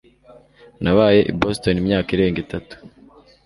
Nabaye i Boston imyaka irenga itatu.